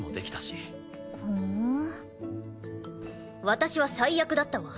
私は最悪だったわ！